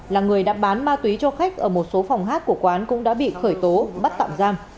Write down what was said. là người đã bán ma túy cho khách ở một số phòng hát của quán cũng đã bị khởi tố bắt tạm giam